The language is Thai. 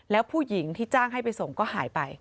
แล้วผู้หญิงที่จ้างให้ไปส่งก็หายไป